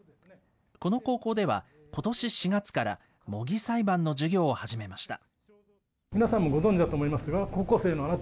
この高校では、ことし４月から模擬裁判の授業を始めました。